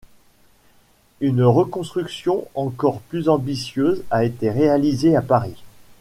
Une reconstruction encore plus ambitieuse a été réalisée à Paris.